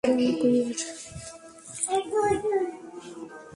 Madam, courier.